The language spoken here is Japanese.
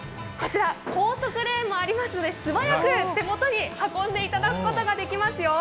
高速レーンもありますので素早く手元に運んでいただくことができますよ。